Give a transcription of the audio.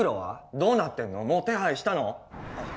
どうなってんのもう手配したの？